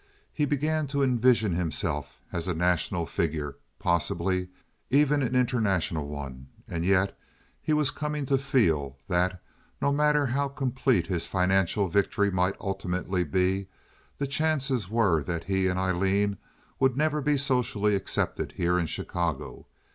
He began to envision himself as a national figure, possibly even an international one. And yet he was coming to feel that, no matter how complete his financial victory might ultimately be, the chances were that he and Aileen would never be socially accepted here in Chicago.